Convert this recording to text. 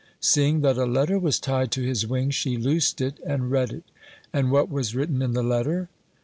Seeing that a letter was tied to his wing, she loosed it and read it. And what was written in the letter?